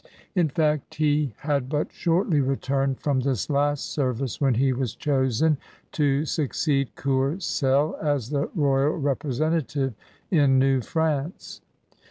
In fact, he had but shortly returned from this last service when he was chosen to succeed Courcelle as the royal representative in New France.